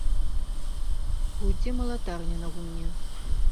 Гудзе малатарня на гумне.